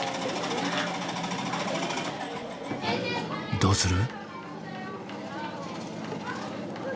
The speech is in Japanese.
どうする？